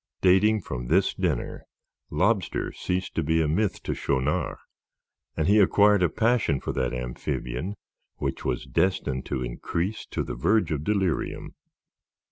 Dating from this dinner, lobster ceased to be a myth to Schaunard, and he acquired a passion for that amphibian which was destined to increase to the verge of delirium.